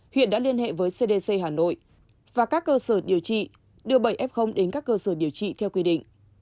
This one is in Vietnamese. huyện đã liên hệ với cdc hà nội và các cơ sở điều trị đưa bảy f đến các cơ sở điều trị theo quy định